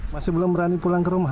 masih belum berani pulang ke rumah